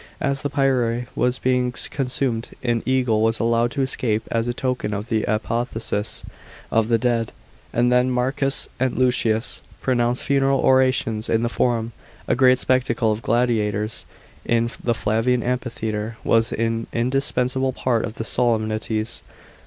As the pyre was being consumed, an ea^le was allowed to escape, as a token of the apotheosis of the dead ; and then Marcus and Lucius pronounced funeral orations in the Forum. A great spectacle of gladiators, in the Flavian amphitheatre, was an indispensable part of the solemnities.